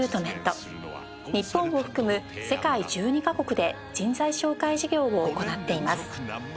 日本を含む世界１２カ国で人材紹介事業を行っています